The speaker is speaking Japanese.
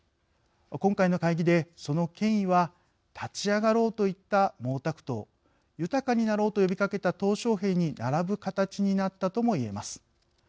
今回の会議で、その権威は立ち上がろうと言った毛沢東豊かになろうと呼びかけたとう小平に並ぶ形になったともいえます。